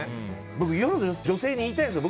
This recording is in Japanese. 僕、世の女性に言いたいんですよ。